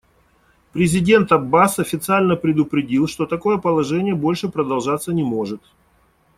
Президент Аббас официально предупредил, что такое положение больше продолжаться не может.